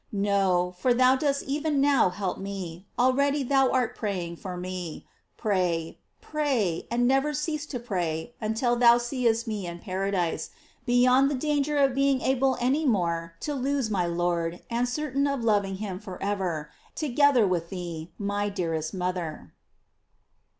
No, for thou dost even now help me, already thou art praying for me; pray, pray, and never cease to pray until thou seest me in paradise, beyond the danger of being able any more to lose my Lord, and certain of loving him forever, to gether with thee, my dearest mother.